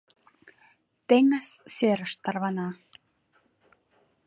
Теҥыз серыш тарвана